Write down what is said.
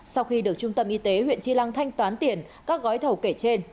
sau khi được trung tâm y tế huyện chi lăng thanh toán tiền các gói thầu kể trên